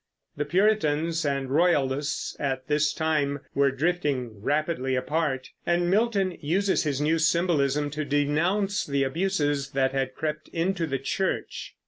The Puritans and Royalists at this time were drifting rapidly apart, and Milton uses his new symbolism to denounce the abuses that had crept into the Church.